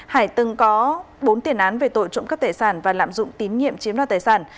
hải từng có bốn tiền án về tội trộm cắp tài sản và lạm dụng tín nhiệm chiếm đoạt tài sản